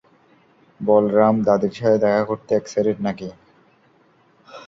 বলরাম, দাদীর সাথে দেখা করতে এক্সাইটেড নাকি?